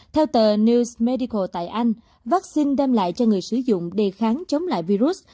theo tờ news medical tại anh vaccine đem lại cho người sử dụng đề kháng chống lại virus